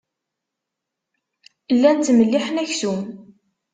Llan ttmelliḥen aksum.